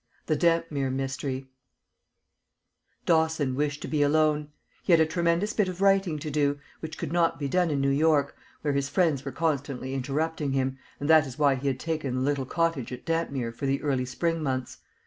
THE DAMPMERE MYSTERY Dawson wished to be alone; he had a tremendous bit of writing to do, which could not be done in New York, where his friends were constantly interrupting him, and that is why he had taken the little cottage at Dampmere for the early spring months.